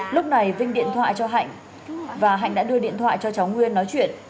lúc này vinh điện thoại cho hạnh và hạnh đã đưa điện thoại cho cháu nguyên nói chuyện